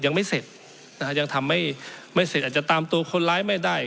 ยังไม่เสร็จนะฮะยังทำไม่ไม่เสร็จอาจจะตามตัวคนร้ายไม่ได้